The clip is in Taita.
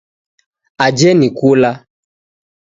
Aje ni kula